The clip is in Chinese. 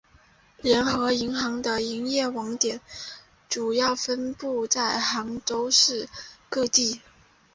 联合银行的营业网点主要分布在杭州市各地。